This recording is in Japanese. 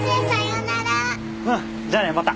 うんじゃあねまた！